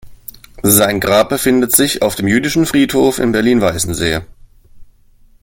Sein Grab befindet sich auf dem Jüdischen Friedhof in Berlin-Weißensee.